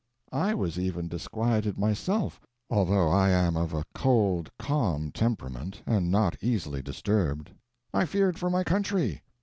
I was even disquieted myself, although I am of a cold, calm temperament, and not easily disturbed. I feared for my country.